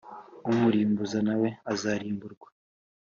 Umurimbuzi na we azarimburwa